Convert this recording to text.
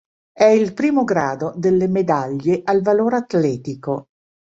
È il primo grado delle medaglie al valore atletico.